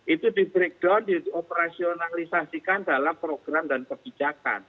itu di breakdown di operasionalisasikan dalam program dan kebijakan